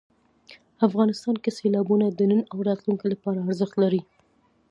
افغانستان کې سیلابونه د نن او راتلونکي لپاره ارزښت لري.